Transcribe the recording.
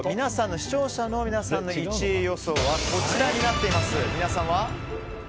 視聴者の皆さんの１位予想はこちらになっています。